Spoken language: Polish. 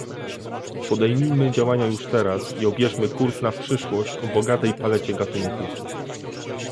Podejmijmy działania już teraz i obierzmy kurs na przyszłość o bogatej palecie gatunków